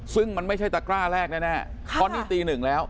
ซึ่งมันไม่ใช่ตะกร้าแรกแน่ตอนนี้ตีหนึ่งแล้ว